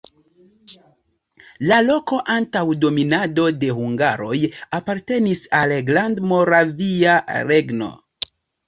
La loko antaŭ dominado de hungaroj apartenis al Grandmoravia Regno.